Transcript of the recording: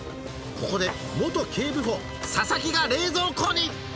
ここで元警部補・佐々木が冷蔵庫に！